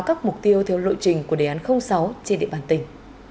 các mục tiêu theo lộ trình của đề án sáu trên địa bàn tỉnh